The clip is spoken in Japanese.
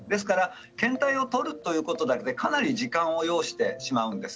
検体を取るということだけでもかなり時間を要してしまうんです。